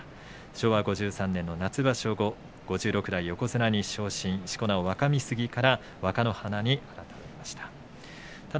昭和５３年夏場所後５６代横綱に昇進しこ名を若三杉から若乃花に改めました。